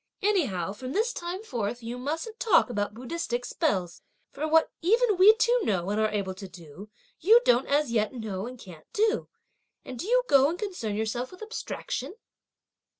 Anyhow, from this time forth you mustn't talk about Buddhistic spells, for what even we two know and are able to do, you don't as yet know and can't do; and do you go and concern yourself with abstraction?"